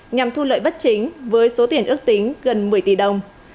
nhằm thu lợi bất chính với số tiền ước tính gần một mươi tỷ đồng